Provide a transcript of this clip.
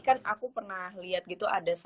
kan aku pernah liat gitu ada salah satu